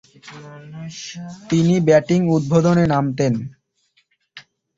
তিনি ব্যাটিং উদ্বোধনে নামতেন।